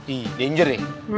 iya danger ya